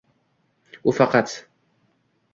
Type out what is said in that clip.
U faqat